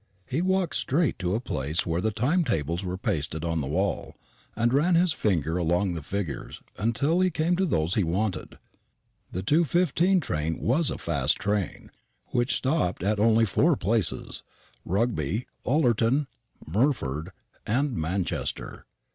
He walked straight to a place where the time tables were pasted on the wall, and ran his finger along the figures till he came to those he wanted. The 2.15 train was a fast train, which stopped at only four places Rugby, Ullerton, Murford, and Manchester.